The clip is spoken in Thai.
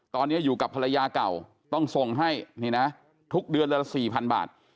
ตอนนี้อยู่กับภรรยาเก่าต้องส่งให้นี่นะทุกเดือนละ๔๐๐บาท